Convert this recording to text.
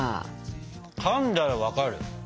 かんだら分かる。